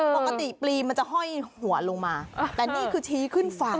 ปกติปลีมันจะห้อยหัวลงมาแต่นี่คือชี้ขึ้นฝั่ง